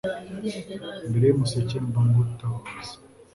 Mbere y’umuseke mba ngutabaza